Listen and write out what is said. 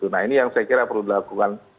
nah ini yang saya kira perlu dilakukan